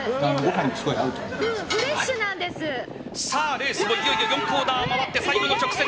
レースもいよいよ４コーナー回って最後の直線！